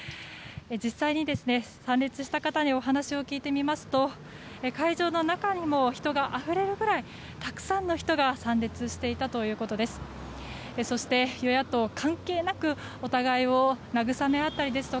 実際に、参列した方にお話を聞いてみますと会場の中にも人があふれるぐらいたくさんの人が参列していたということです。